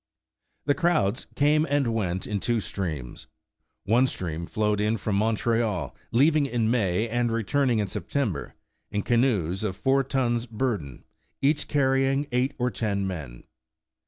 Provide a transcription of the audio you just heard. The crowds came and went in two streams. One stream flowed in from Montreal, leaving in May and returning in September, in canoes of four tons' burden, each carrying eight or ten men.